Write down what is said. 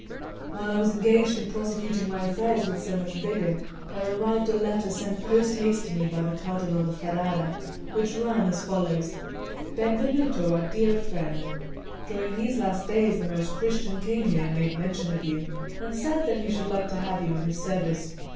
CI WHILE I was engaged in prosecuting my affairs with so much vigour, there arrived a letter sent post haste to me by the Cardinal of Ferrara, which ran as follows: '"Benvenuto, our dear friend, During these last days the most Christian King here made mention of you, and said that he should like to have you in his service.